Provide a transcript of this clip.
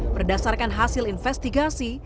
berdasarkan hasil investigasi